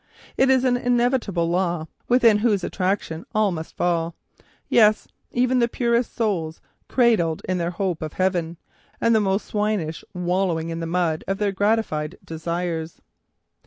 It is an inevitable law within whose attraction all must fall; yes, even the purest souls, cradled in their hope of heaven; and the most swinish, wallowing in the mud of their gratified desires.